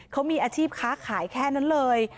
เขามีอาชีพค้าขายแค่นั้นเลย